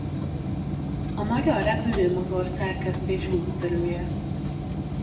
A magyar repülőmotor-szerkesztés úttörője.